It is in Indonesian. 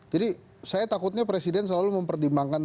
jadi saya takutnya presiden selalu memperdimbangkan